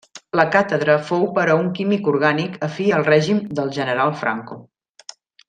La càtedra fou per a un químic orgànic afí al règim del General Franco.